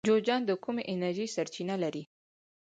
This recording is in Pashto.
جوزجان د کومې انرژۍ سرچینه لري؟